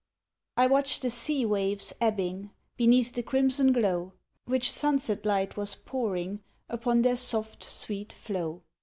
I WATCHED the sea waves ebbing, Beneath the crimson glow, Which sunset light was pouring, Upon their soft, sweet flow.